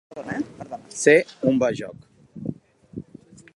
Ser un bajoc.